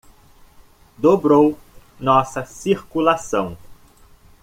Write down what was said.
Dobrou nossa circulação.